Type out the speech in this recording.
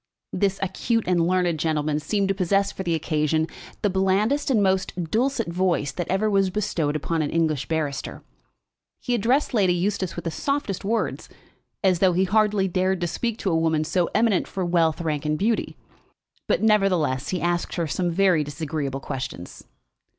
This acute and learned gentleman seemed to possess for the occasion the blandest and most dulcet voice that ever was bestowed upon an English barrister. He addressed Lady Eustace with the softest words, as though he hardly dared to speak to a woman so eminent for wealth, rank, and beauty; but nevertheless he asked her some very disagreeable questions.